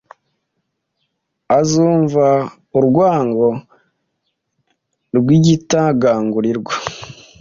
azumva urwango rwigitagangurirwa